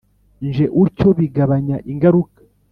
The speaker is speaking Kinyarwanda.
nje utyo bigabanya ingaruka.